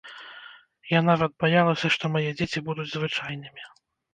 Я нават баялася, што мае дзеці будуць звычайнымі!